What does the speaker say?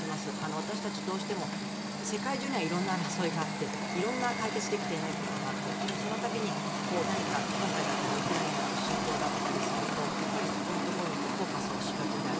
私たち、どうしても世界中にはいろんな争いがあり解決できないことがありでもそのたびに、今回だったらウクライナの侵攻だったりするとそこのところにフォーカスしがちである。